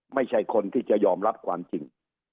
ไม่ใช่คนที่จะยอมรับความจริง